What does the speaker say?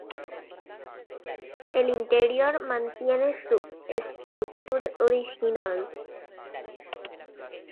El interior mantiene su estructura original.